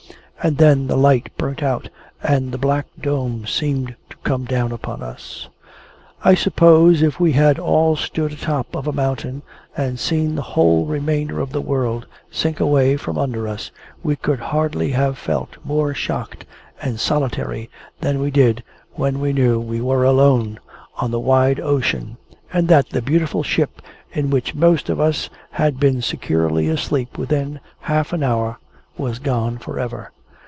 And then the light burnt out, and the black dome seemed to come down upon us. I suppose if we had all stood a top of a mountain, and seen the whole remainder of the world sink away from under us, we could hardly have felt more shocked and solitary than we did when we knew we were alone on the wide ocean, and that the beautiful ship in which most of us had been securely asleep within half an hour was gone for ever.